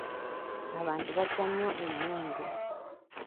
Abantu batya nnyo emmundu.